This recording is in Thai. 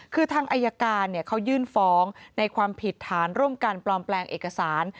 คือทางอายการเขายื่นฟ้องในความผิดฐานร่วมกันปลอมแปลงเอกสาร